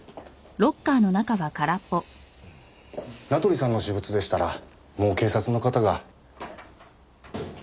名取さんの私物でしたらもう警察の方が。